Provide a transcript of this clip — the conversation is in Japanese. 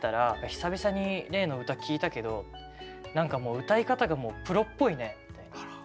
「久々に黎の歌聴いたけど何か歌い方がもうプロっぽいね。